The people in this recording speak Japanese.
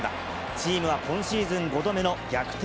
チームは今シーズン５度目の逆転